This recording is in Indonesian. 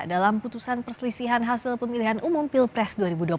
dalam putusan perselisihan hasil pemilihan umum pilpres dua ribu dua puluh